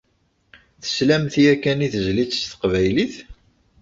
Teslamt yakan i tezlit s teqbaylit?